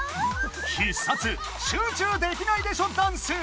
必殺「集中できないでしょダンス」！